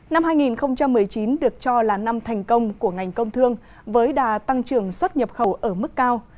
năm hai nghìn một mươi chín được cho là năm thành công của ngành công thương với đà tăng trưởng xuất nhập khẩu ở mức cao